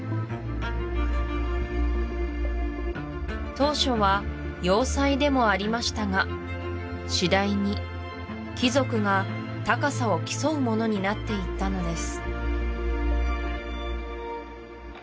当初は要塞でもありましたが次第に貴族が高さを競うものになっていったのです